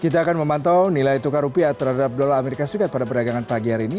kita akan memantau nilai tukar rupiah terhadap dolar as pada perdagangan pagi hari ini